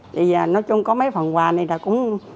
thì nói chung có mấy phần quà này là cũng